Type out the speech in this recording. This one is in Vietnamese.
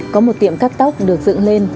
có một tiệm cắt tóc được dựng lên